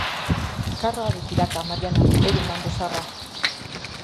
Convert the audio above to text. Karroari tiraka, Mariana, euren mando zaharra.